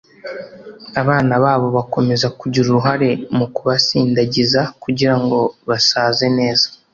abana babo bakomeze kugira uruhare mu kubasindagiza kugirango basaze neza